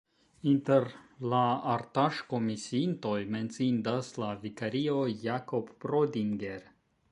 Inter la artaĵkomisiintoj menciindas la vikario Jakob Prodinger.